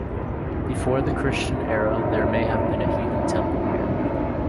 Before the Christian era there may have been a heathen temple here.